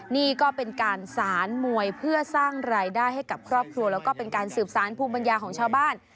นี่ก็เป็นการสารมวยเพื่อสร้างรายได้ให้กับครอบครัวแล้วก็เป็นการสืบสารภูมิปัญญาของชาวบ้าน